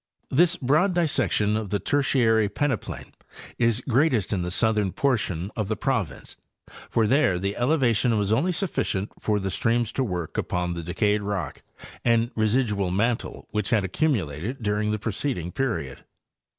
This broad dissection of the Tertiary peneplain is greatest in the southern portion of the province, for there the elevation was only sufficient for the streams to work upon the decayed rock and residual mantle which had accumuiated during the preced , ing period.